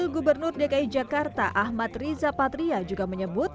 gubernur dki jakarta ahmad riza patria juga menyebut